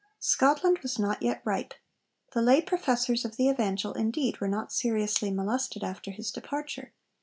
Scotland was not yet ripe. The lay professors of the Evangel indeed were not seriously molested after his departure.